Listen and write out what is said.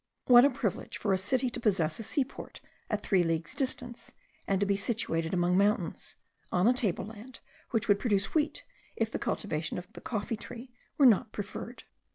What a privilege for a city to possess a seaport at three leagues distance, and to be situated among mountains, on a table land, which would produce wheat, if the cultivation of the coffee tree were not preferred!